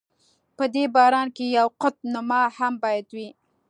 په دې باران کې یوه قطب نما هم باید وي.